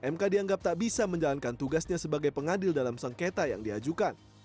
mk dianggap tak bisa menjalankan tugasnya sebagai pengadil dalam sengketa yang diajukan